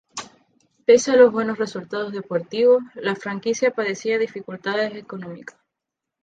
Pese a los buenos resultados deportivos, la franquicia padecía dificultades económicas.